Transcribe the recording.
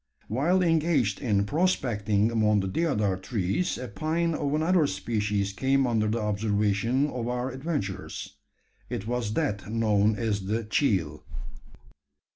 While engaged in "prospecting" among the deodar trees, a pine of another species came under the observation of our adventurers. It was that known as the "cheel."